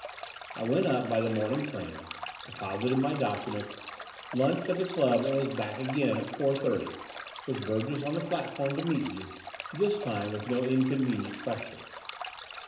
I went up by the morn ing train, deposited my document, Itmched at the dub, and was back again at four thirty, with Bur 138 The Door of the Unreal gess on the platform to meet me — ^this time with no inconvenient questions.